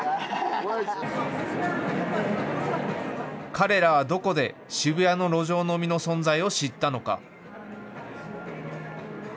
彼らはどこで渋谷の路上飲みの存在を知ったのか。